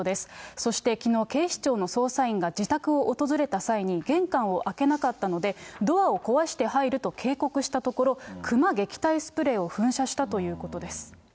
そしてきのう、警視庁の捜査員が自宅を訪れた際に、玄関を開けなかったので、ドアを壊して入ると警告したところ、熊撃退スプレーを噴射したということです。